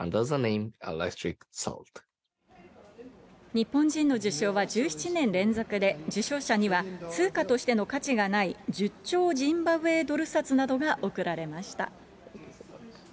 日本人の受賞は１７年連続で、受賞者には通貨としての価値がない１０兆ジンバブエドル札などが贈られました。